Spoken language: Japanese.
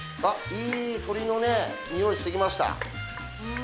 いい鶏のねえ匂いしてきました